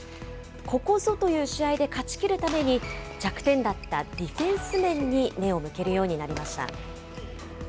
ここぞという試合で勝ちきるために、弱点だったディフェンス面に目を向けるようになりました。